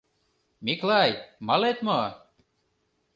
— Миклай, малет мо?